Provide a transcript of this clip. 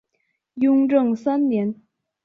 雍正三年。